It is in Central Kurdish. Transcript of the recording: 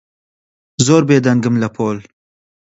زۆر بێدەنگم لە پۆل.